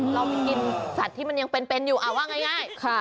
เราไปกินสัตว์ที่มันยังเป็นอยู่ว่าง่าย